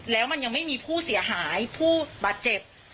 แล้วมันยังไม่มีผู้เสียหายผู้บาดเจ็บ